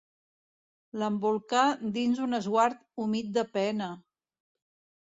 L'embolcà dins un esguard humit de pena!